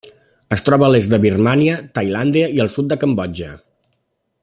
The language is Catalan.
Es troba a l'est de Birmània, Tailàndia i el sud de Cambodja.